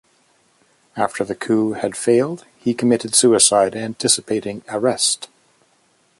After the coup had failed, he committed suicide, anticipating arrest.